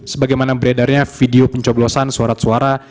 sebagaimana beredarnya video pencoblosan surat suara